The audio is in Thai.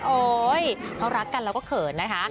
โอ๊ยเขารักกันแล้วก็เขินนะคะ